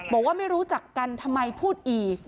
บอกว่าไม่รู้จักกันทำไมพูดอีก